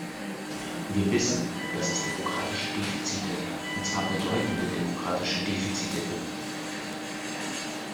Wir wissen, dass es demokratische Defizite, und zwar bedeutende demokratische Defizite gibt.